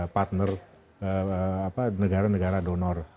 partner negara negara donor